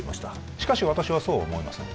しかし私はそうは思いません